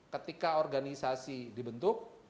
ketika organisasi dibentuk